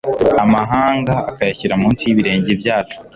amahanga akayashyira mu nsi y'ibirenge byacu